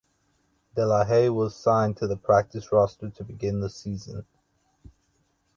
De La Haye was signed to the practice roster to begin the season.